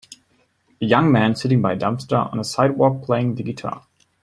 A young man sitting by a dumpster on a sidewalk playing the guitar.